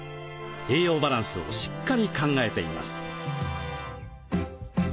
栄養バランスをしっかり考えています。